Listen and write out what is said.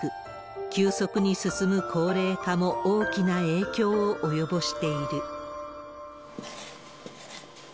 急速に進む高齢化も大きな影響を及ぼしている。